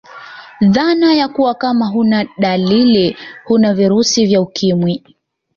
Dhana ya kuwa Kama huna dalili huna virusi vya ukimwi